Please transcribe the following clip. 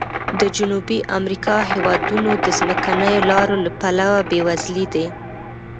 د جنوبي امریکا هېوادونه د ځمکنیو لارو له پلوه بې وزلي دي.